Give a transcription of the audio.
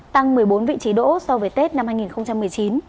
tăng một mươi bốn vị trí đỗ so với tết năm hai nghìn một mươi chín